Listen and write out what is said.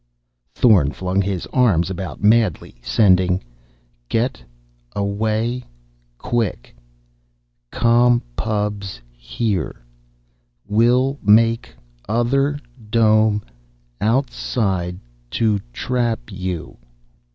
Thorn flung his arms about madly, sending: "G e t a w a y q u i c k. C o m P u b s h e r e. W i l l m a k e o t h e r d o m e o u t s i d e t o t r a p y o u."